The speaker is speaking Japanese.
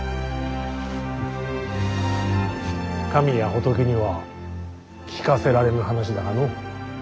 神や仏には聞かせられぬ話だがのう。